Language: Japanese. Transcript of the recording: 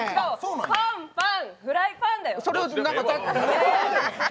パン、パン、フライパンたよ。